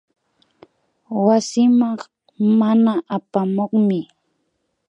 Wasiman mana apamukmi